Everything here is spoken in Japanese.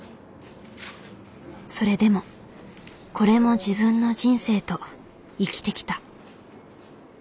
それでも「これも自分の人生」と生きてきた。